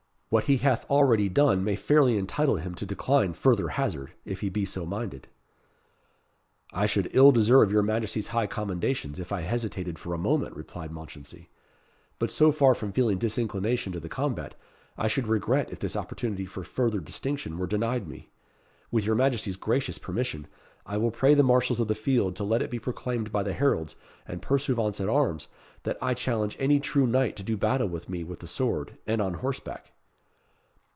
What he hath already done may fairly entitle him to decline further hazard, if he be so minded." "I should ill deserve your Majesty's high commendations if I hesitated for a moment," replied Mounchensey; "but so far from feeling disinclination to the combat, I should regret if this opportunity for further distinction were denied me. With your Majesty's gracious permission, I will pray the marshals of the field to let it be proclaimed by the heralds and pursuivants at arms that I challenge any true knight to do battle with me with the sword, and on horseback."